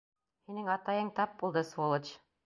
Һинең атайың тап булды, сволочь!